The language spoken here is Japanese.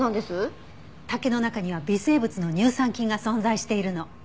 竹の中には微生物の乳酸菌が存在しているの。